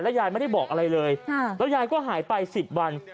ยายไม่ได้บอกอะไรเลยแล้วยายก็หายไป๑๐วัน